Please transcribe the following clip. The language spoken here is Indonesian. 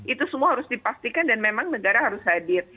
itu semua harus dipastikan dan memang negara harus hadir